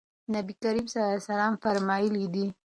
نبي کريم صلی الله عليه وسلم فرمايلي دي: